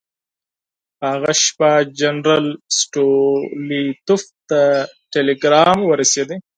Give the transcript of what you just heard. په هغه شپه جنرال ستولیتوف ته ټلګرام ورسېد.